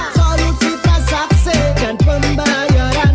solusi transaksi dan pembayaran